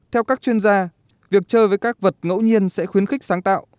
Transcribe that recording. theo các chuyên gia việc chơi với các vật ngẫu nhiên sẽ khuyến khích sáng tạo